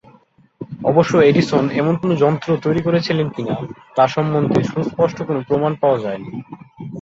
অবশ্য এডিসন এমন কোন যন্ত্র তৈরি করেছিলেন কি-না তা সম্বন্ধে সুস্পষ্ট কোন প্রমাণ পাওয়া যায়নি।